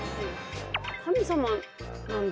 神様なんだ。